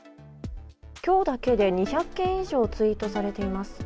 今日だけで２００件以上ツイートされています。